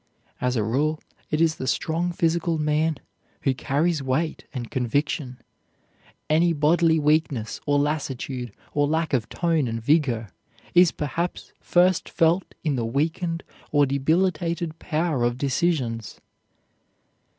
As a rule, it is the strong physical man who carries weight and conviction. Any bodily weakness, or lassitude, or lack of tone and vigor, is, perhaps, first felt in the weakened or debilitated power of decisions.